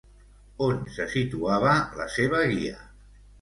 On se situava la seva guia?